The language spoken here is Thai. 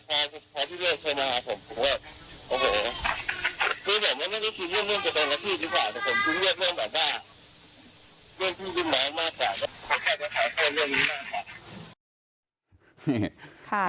ก็เห็นนะว่าเรื่องครับ